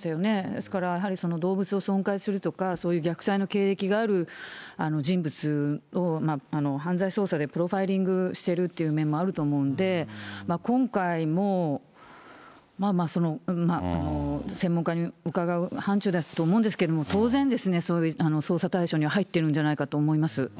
ですから、動物を損壊するとか、そういう虐待の経歴がある人物を、犯罪捜査でプロファイリングしているという面もあると思うんで、今回も、専門家に伺う範ちゅうだと思うんですけれども、当然ですね、そういう捜査対象には入っているんじゃないかと思います。